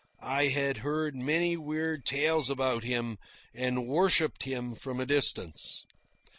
I had heard many weird tales about him, and worshipped him from a distance.